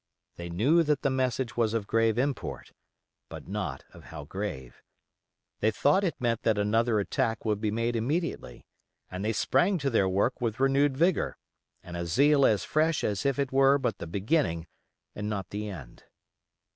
They knew that the message was of grave import, but not of how grave. They thought it meant that another attack would be made immediately, and they sprang to their work with renewed vigor, and a zeal as fresh as if it were but the beginning and not the end.